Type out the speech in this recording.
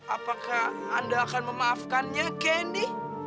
apakah anda akan memaafkannya kenny